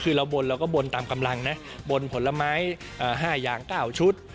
คือเราบนเราก็บนตามกำลังนะบนผลไม้๕อย่าง๙ชุด